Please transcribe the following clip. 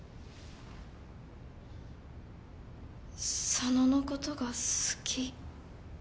佐野のことが好き？